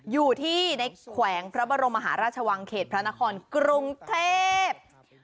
อยู่ที่ในแขวงพระบรมมหาราชวังเขตพระนครกรุงเทพ